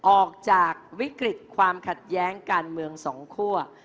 ออกจากวิกฤตความขัดแย้งการเมืองสองคั่ว